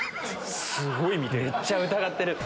めっちゃ疑ってる。